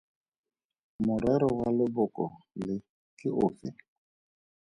Morero wa leboko le ke ofe?